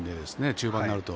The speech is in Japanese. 中盤になると。